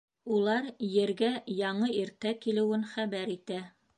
Улар ергә яңы иртә килеүен хәбәр итә.